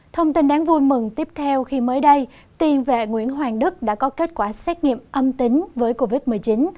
thông tin đáng vui mừng tiếp theo khi mới đây tiền vệ nguyễn hoàng đức đã có kết quả xét nghiệm âm tính với covid một mươi chín